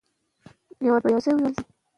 که شپه وي نو خوب نه پاتې کیږي.